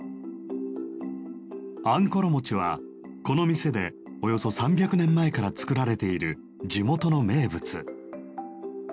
あんころはこの店でおよそ３００年前から作られている地元の名物。